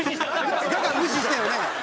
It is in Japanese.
だから無視したよね。